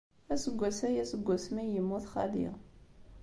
Aseggas aya seg wasmi ay yemmut xali.